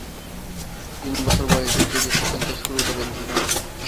তিন বছর বয়সে টেনিস খেলতে শুরু করেন তিনি।